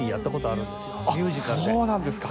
あっそうなんですか！